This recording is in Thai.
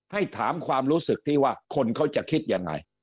ถามความรู้สึกที่ว่าคนเขาจะคิดยังไง